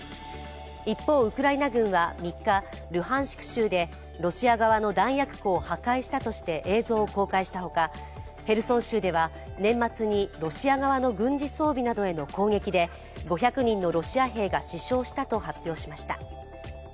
一方、ウクライナ軍は３日、ルハンシク州でロシア側の弾薬庫を破壊したとして映像を公開したほか、ヘルソン州では年末にロシア側の軍事装備などへの攻撃で５００人のロシア兵が死傷したと発表しました。